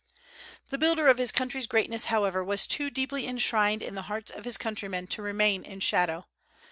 The builder of his country's greatness, however, was too deeply enshrined in the hearts of his countrymen to remain in shadow.